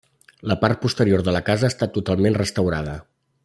La part posterior de la casa ha estat totalment restaurada.